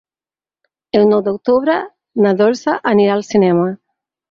El nou d'octubre na Dolça anirà al cinema.